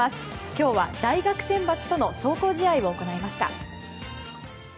今日は大学選抜との壮行試合を行いました。